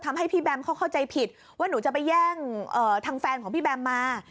ทำให้พี่แบมเขาเข้าใจผิดว่าหนูจะไปแย่งทางแฟนของพี่แบมมา